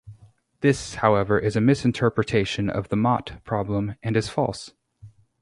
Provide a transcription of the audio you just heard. This, however, is a mis-interpretation of the Mott problem, and is false.